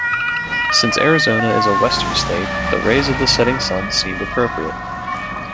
Since Arizona is a western state, the rays of the setting sun seemed appropriate.